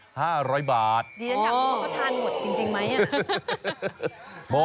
ดีจังครับเพราะว่าทานหมดจริงไหม